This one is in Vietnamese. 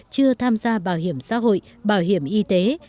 chưa tham gia bảo hiểm xã hội bảo hiểm y tế